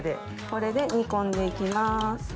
これで煮込んで行きます。